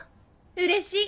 うれしい！